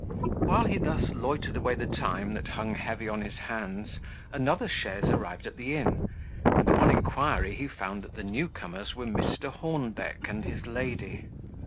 While he thus loitered away the time that hung heavy on his hands, another chaise arrived at the inn, and upon inquiry he found that the new comers were Mr. Hornbeck and his lady.